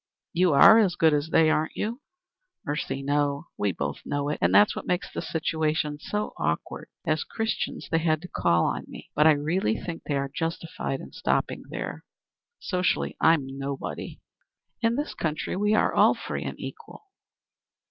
You are as good as they, aren't you?" "Mercy, no. We both know it, and that's what makes the situation so awkward. As Christians, they had to call on me, but I really think they are justified in stopping there. Socially I'm nobody." "In this country we are all free and equal."